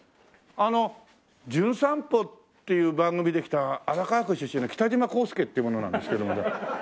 あの『じゅん散歩』っていう番組で来た荒川区出身の北島康介っていう者なんですけども。